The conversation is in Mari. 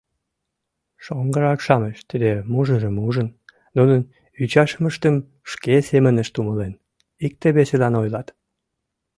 Шоҥгырак-шамыч, тиде мужырым ужын, нунын ӱчашымыштым шке семынышт умылен, икте-весылан ойлат: